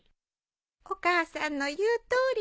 お母さんの言うとおりじゃよ。